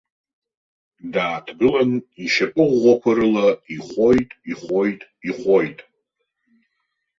Дааҭгылан ишьапы ӷәӷәақәа рыла ихәоит, ихәоит, ихәоит.